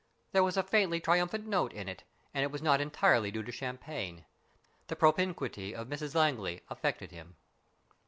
There was a faintly triumphant note in it, and it was not entirely due to champagne. The pro pinquity of Mrs Langley affected him.